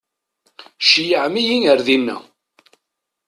Ceyyɛem-iyi ar dina.